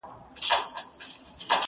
د پتڼ له سرې لمبې نه څه پروا ده؛